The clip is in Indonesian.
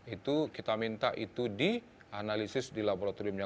itu kita minta itu dianalisis di laboratoriumnya